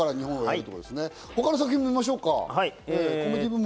他の作品も見ましょうか。